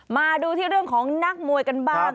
มาดูที่เรื่องของนักมวยกันบ้าง